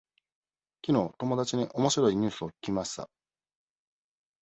きのう友達におもしろいニュースを聞きました。